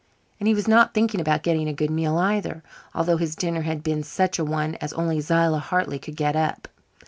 And he was not thinking about getting a good meal either, although his dinner had been such a one as only Zillah Hartley could get up.